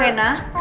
rena kenapa sih